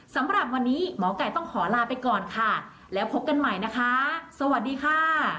สำหรับวันนี้หมอไก่ต้องขอลาไปก่อนค่ะแล้วพบกันใหม่นะคะสวัสดีค่ะ